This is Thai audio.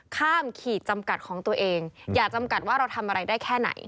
ขีดจำกัดของตัวเองอย่าจำกัดว่าเราทำอะไรได้แค่ไหน